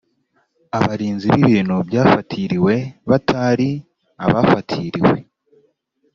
abarinzi b ibintu byafatiriwe batari abafatiriwe